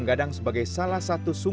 agar dia bisa menemukan segala pada hari ini